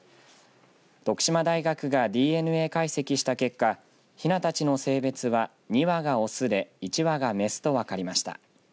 徳島大学がＤＮＡ解析した結果ひなたちの性別は２羽が雄で１羽が雌と分かりました。